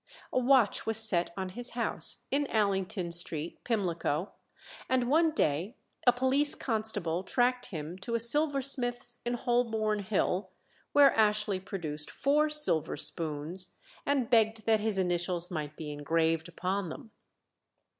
A watch was set on his house, in Allington Street, Pimlico, and one day a police constable tracked him to a silversmith's in Holborn Hill, where Ashley produced four silver spoons, and begged that his initials might be engraved upon them.